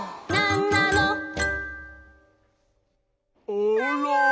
あら。